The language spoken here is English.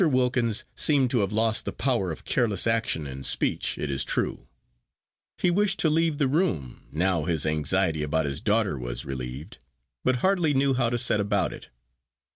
Wilkins seemed to have lost the power of careless action and speech, it is true. He wished to leave the room now his anxiety about his daughter was relieved, but hardly knew how to set about it.